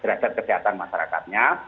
terhadap kesehatan masyarakatnya